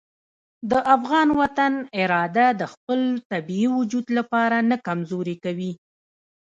د افغان وطن اراده د خپل طبیعي وجود لپاره نه کمزورې کوي.